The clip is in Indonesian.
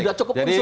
sudah cukup unsur